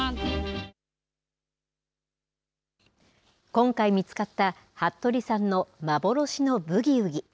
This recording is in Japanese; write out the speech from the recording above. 今回見つかった服部さんの幻のブギウギ。